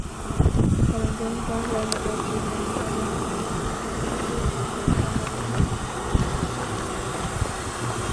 Քարանձավում կան ժայռապատկերներ, ստալակտիտներ և ստալագմիտներ, չղջիկների գաղութներ։